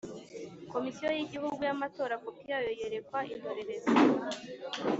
Komisiyo y igihugu y amatora kopi yayo yerekwa indorerezi